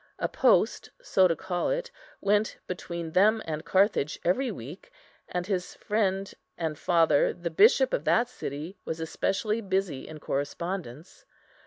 A post, so to call it, went between them and Carthage every week, and his friend and father, the bishop of that city, was especially busy in correspondence.